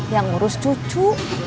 yang ngurus cucu